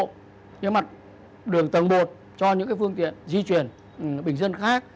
cái mặt đường tầng một cho những cái phương tiện di chuyển bình dân khác